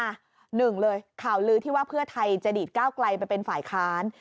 หนึ่งเลยข่าวลือที่ว่าเพื่อไทยจะดีดก้าวไกลไปเป็นฝ่ายค้าน